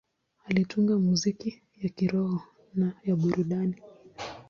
Alitunga muziki ya kiroho na ya burudani.